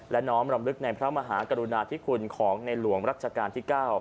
และน้อมรำลึกในพระมหากรุณาธิคุณของในหลวงรัชกาลที่๙